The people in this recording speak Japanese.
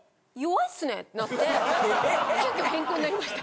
なって急きょ変更になりました。